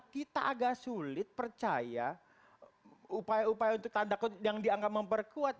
kita agak sulit percaya upaya upaya untuk tanda kutip yang dianggap memperkuat